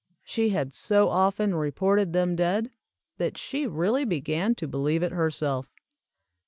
She had so often reported them dead, that she really began to believe it herself.